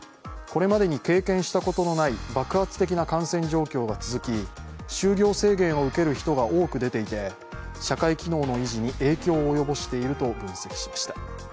これまでに経験したことのない爆発的な感染状況が続き就業制限を受ける人が多く出ていて社会機能の維持に影響を及ぼしていると分析しました。